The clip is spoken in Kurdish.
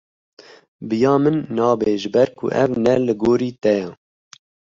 Bi ya min nabe ji ber ku ev ne li gorî te ye.